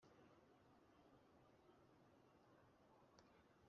Cyubahiro ati"sinahara bwiza bwanjye